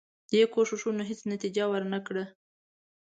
دې کوښښونو هیڅ نتیجه ورنه کړه.